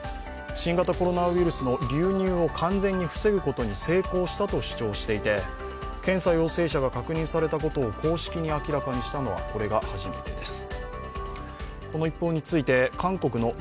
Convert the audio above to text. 新型コロナウイルスの流入を完全に防ぐことに成功したと主張していて、検査陽性者が確認されたことを公式に明らかにしたのはこれが初めてです。